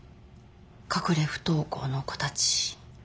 隠れ不登校の子たち。